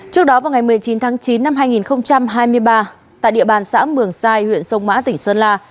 trước đó vào ngày một mươi chín tháng chín năm hai nghìn hai mươi ba tại địa bàn xã mường sai huyện sông mã tỉnh sơn la